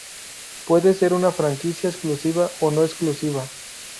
Puede ser una franquicia exclusiva o no exclusiva.